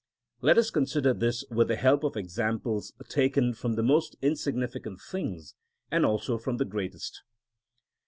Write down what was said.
Let us consider this with the help of examples taken from the most insignificant things, and also from the greatest.